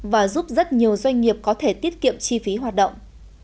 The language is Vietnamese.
và giúp rất nhiều doanh nghiệp có thể tiết kiệm chi phí hoạt động